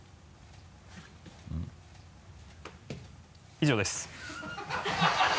以上です。